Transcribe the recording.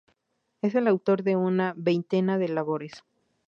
Es el autor de una veintena de labores.